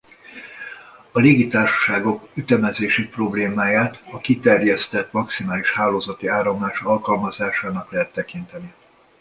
A légitársaságok ütemezési problémáját a kiterjesztett maximális hálózati áramlás alkalmazásának lehet tekinteni.